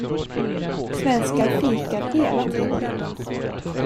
Svenskar fikar hela tiden.